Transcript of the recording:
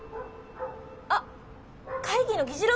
あっ会議の議事録！